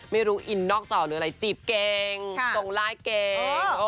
ไม่รู้นอกจออะไรจีบเกงตรงไลต์เกง